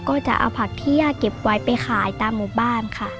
ก็จะเอาผักที่ย่าเก็บไว้ไปขายตามหมู่บ้านค่ะ